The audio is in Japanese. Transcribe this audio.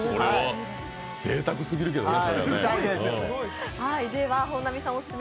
ぜいたくすぎるけどね。